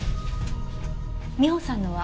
美帆さんのは？